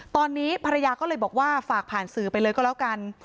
ตอนนี้ภรรยาก็เลยบอกว่าฝากผ่านสื่อไปเลยก็แล้วกัน